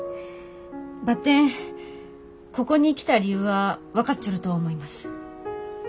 ばってんここに来た理由は分かっちょると思います。